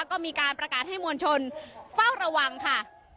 ก็มีการประกาศให้มวลชนเฝ้าระวังค่ะ